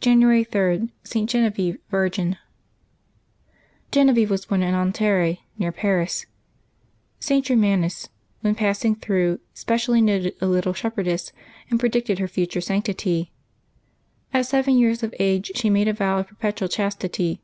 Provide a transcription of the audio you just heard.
January 3.— ST. GENEVIEVE, Virgin. eEXEViEVE was born at Nanterre, near Paris. St. Ger manus, when passing through, specially noticed a Jittle shepherdess, and predicted her future sanctity. At seven years of age she made a vow of perpetual chas tity.